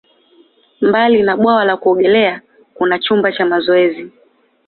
Mbali na bwawa la kuogelea, kuna chumba cha mazoezi.